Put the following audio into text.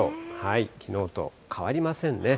きのうと変わりませんね。